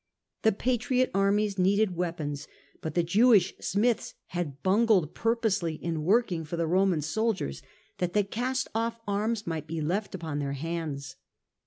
The patriot armies needed weapons, but the Jewish smiths had bungled purposely in working for the Roman soldiers, that the cast off arms might be left upon their hands.